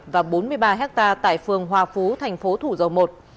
và bốn mươi ba hectare tại phường hòa phú thành phố thủ dầu một